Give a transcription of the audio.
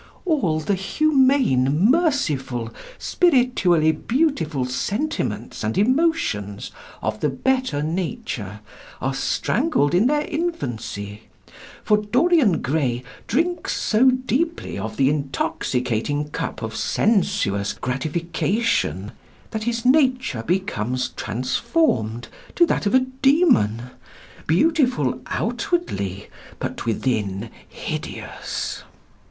All the humane, merciful, spiritually beautiful sentiments and emotions of the better nature, are strangled in their infancy, for Dorian Gray drinks so deeply of the intoxicating cup of sensuous gratification, that his nature becomes transformed to that of a demon beautiful outwardly, but within hideous.